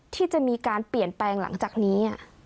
ที่จะมีการเปลี่ยนแปลงหลังจากนี้